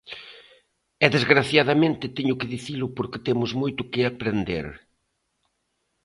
E desgraciadamente teño que dicilo porque temos moito que aprender.